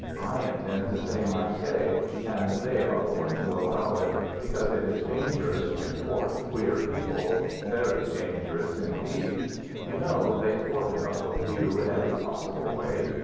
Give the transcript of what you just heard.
I intend to say my say and they are going to allow it, because it is dangerous to thwart queer people very dangerous indeed. You know, they thwarted Uncle Hugh in every possible way.